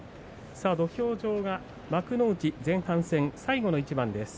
土俵上が幕内前半戦最後の一番です。